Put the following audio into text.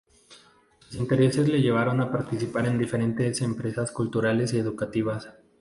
Sus intereses le llevaron a participar en diferentes empresas culturales y educativas.